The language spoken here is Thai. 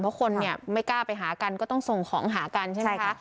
เพราะคนเนี่ยไม่กล้าไปหากันก็ต้องส่งของหากันใช่ไหมคะ